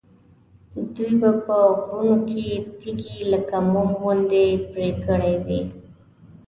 دوی به په غرونو کې تیږې لکه موم غوندې پرې کړې وي.